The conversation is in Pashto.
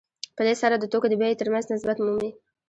په دې سره د توکو د بیې ترمنځ نسبت مومي